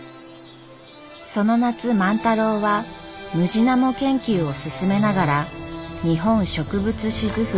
その夏万太郎はムジナモ研究を進めながら「日本植物志図譜」